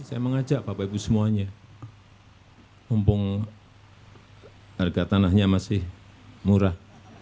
saya mengajak bapak ibu semuanya mumpung harga tanahnya masih murah